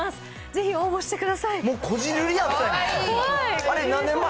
ぜひ応募してください。